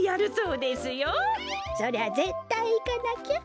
そりゃぜったいいかなきゃ。